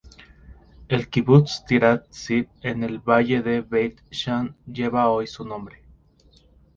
El kibutz Tirat-Zvi, en el valle de Beit-Shean, lleva hoy su nombre.